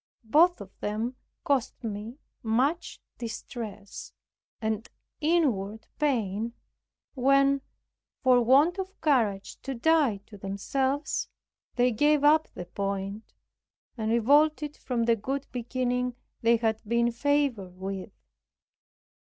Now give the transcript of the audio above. Both of them cost me much distress and inward pain, when, for want of courage to die to themselves, they gave up the point; and revolted from the good beginning they had been favored with.